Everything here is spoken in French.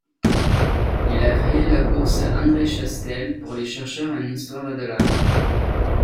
Il a créé la bourse André Chastel pour les chercheurs en histoire de l’art.